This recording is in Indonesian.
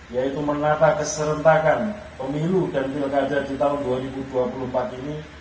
yaitu menata keserentakan pemilu dan pilkada di tahun dua ribu dua puluh empat ini